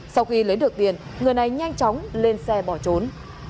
sau khi lấy được tiền người này nhanh chóng lên xe bỏ trốn